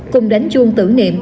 cùng đánh chuông tử niệm